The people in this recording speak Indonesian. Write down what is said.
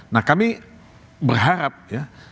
nah kami berharap ya